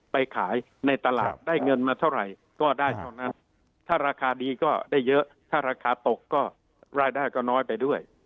ไปขายในตลาดได้เงินมาเท่าไหร่ก็ได้เท่านั้นถ้าราคาดีก็ได้เยอะถ้าราคาตกก็รายได้ก็น้อยไปด้วย